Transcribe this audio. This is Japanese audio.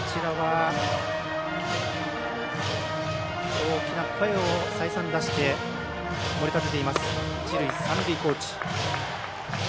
大きな声を再三出して盛り立てている一塁、三塁コーチ。